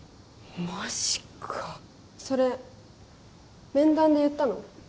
マジかそれ面談で言ったの？